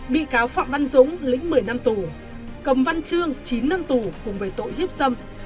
bị cáo phạm văn dũng lĩnh một mươi năm tù cầm văn trương chín năm tù cùng về tội hiếp dâm